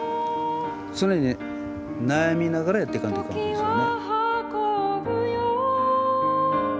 常に悩みながらやっていかんといかんですよね。